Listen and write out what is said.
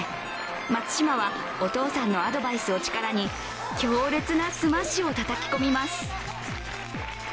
松島はお父さんのアドバイスを力に強烈なスマッシュをたたき込みます。